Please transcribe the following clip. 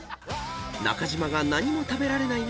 ［中島が何も食べられない中